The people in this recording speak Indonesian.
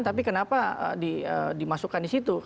tapi kenapa dimasukkan di situ